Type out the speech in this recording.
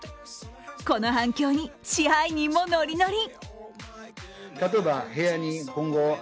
この反響に支配人ものりのり。